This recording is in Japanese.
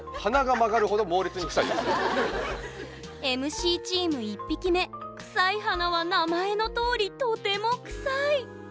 ＭＣチーム１匹目クサイハナは名前のとおりとてもクサイ！